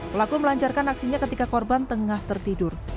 pelaku melancarkan aksinya ketika korban tengah tertidur